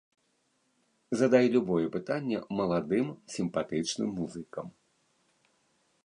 Задай любое пытанне маладым сімпатычным музыкам!